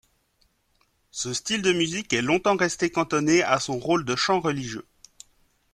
Ce style de musique est longtemps resté cantonné à son rôle de chant religieux.